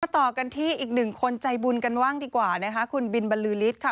ต่อกันที่อีกหนึ่งคนใจบุญกันบ้างดีกว่านะคะคุณบินบรรลือฤทธิ์ค่ะ